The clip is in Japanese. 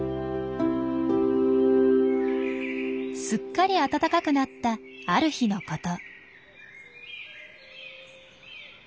すっかり暖かくなったある日のこと。